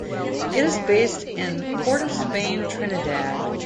It is based in Port of Spain, Trinidad.